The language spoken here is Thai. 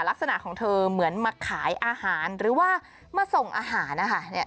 ลักษณะของเธอเหมือนมาขายอาหารหรือว่ามาส่งอาหารนะคะ